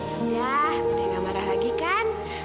renyah udah gak marah lagi kan